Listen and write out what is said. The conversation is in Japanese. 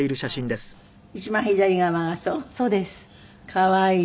可愛い。